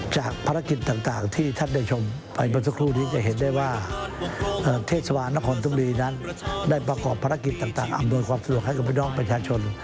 จากภารกิจต่างที่ท่านได้ชมไปเมื่อสักครู่นี้จะเห็นได้ว่าเทศบาลนครธุมดีนั้นได้ประกอบภารกิจต่างอำนวยความสะดวกให้กับพี่น้องประชาชน